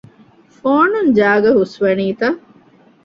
ފޯނުން ޖާގަ ހުސްވަނީތަ؟